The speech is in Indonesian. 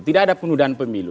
tidak ada penundaan pemilu